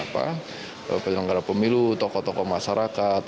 penyelenggara pemilu toko toko masyarakat